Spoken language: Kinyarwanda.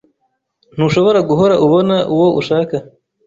Ntushobora guhora ubona uwo ushaka.